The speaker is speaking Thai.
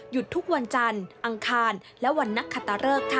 ทุกวันจันทร์อังคารและวันนักขตะเริกค่ะ